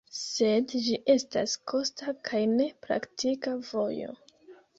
Sed ĝi estas kosta kaj ne praktika vojo.